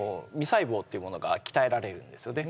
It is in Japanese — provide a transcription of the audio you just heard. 細胞っていうものが鍛えられるんですよね